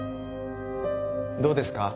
どうですか？